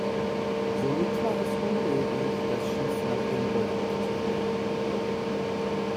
Somit war es unmöglich, das Schiff nach Helgoland zu schleppen.